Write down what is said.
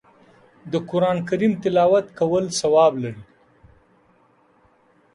د قرآن کریم تلاوت کول ثواب لري